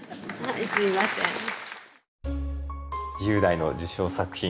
自由題の受賞作品